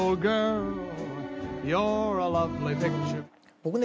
僕ね